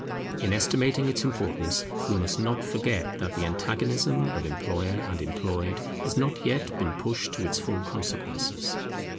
In estimating its importance, we must not forget that the antagonism of employer and employed has not yet been pushed to its full consequences.